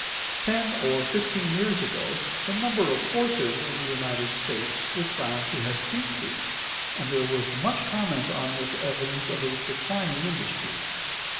Ten or fifteen years ago the number of horses in the United States was found to have decreased, and there was much comment on this evidence of a declining industry.